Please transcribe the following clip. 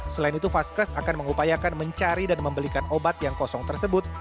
selain itu vaskes akan mengupayakan mencari dan membelikan obat yang kosong tersebut